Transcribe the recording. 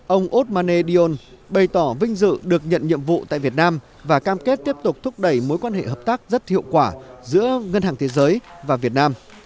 ông osmane dion bày tỏ vinh dự được nhận nhiệm vụ tại việt nam và cam kết tiếp tục thúc đẩy mối quan hệ hợp tác rất hiệu quả giữa ngân hàng thế giới và việt nam